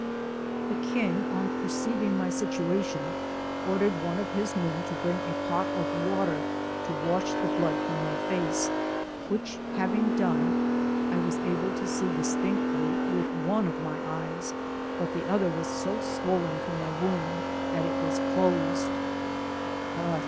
The king, on perceiving my situation, ordered one of his men to bring a pot of water to wash the blood from my face, which having done, I was able to see distinctly with one of my eyes, but the other was so swpllen from my wound, that it was closed.